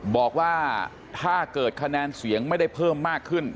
บอกว่าถ้าเกิดคะแนนเสียงไม่ได้เพิ่มมากขึ้น